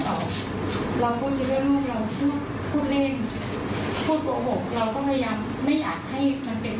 เข่าเลือกออกละพูดทั้งกระฟูกเล่นพวกผมก็พยายามไม่อยากให้มันเป็นพวกเองค่ะ